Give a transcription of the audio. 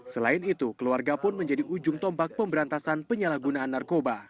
selain itu keluarga pun menjadi ujung tombak pemberantasan penyalahgunaan narkoba